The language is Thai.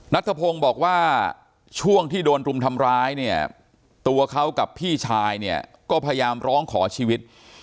นัทธพงศ์บอกว่าช่วงที่โดนรุมทำร้ายเนี่ยตัวเขากับพี่ชายเนี่ยก็พยายามร้องขอชีวิต